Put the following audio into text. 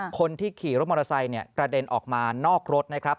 คนที่ขี่รถมอเตอร์ไซค์กระเด็นออกมานอกรถนะครับ